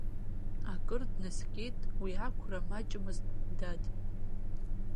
Акыр днаскьеит, уи қәра маҷмызт, дад.